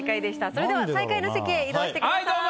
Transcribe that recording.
それでは最下位の席へ移動してください。